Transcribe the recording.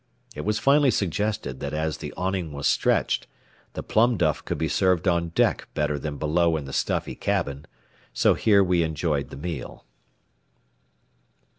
It was finally suggested that as the awning was stretched, the plum duff could be served on deck better than below in the stuffy cabin, so here we enjoyed the meal.